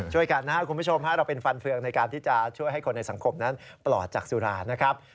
ช่วยกันนะครับคุณผู้ชมเราเป็นฟันเฟืองในการที่จะช่วยให้คนในสังคมนั้นปลอดจากสุรานะครับ